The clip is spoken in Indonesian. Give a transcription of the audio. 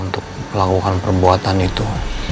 dan perbuatan itu